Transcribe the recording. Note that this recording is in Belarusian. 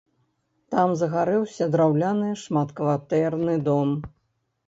Там загарэўся драўляны шматкватэрны дом.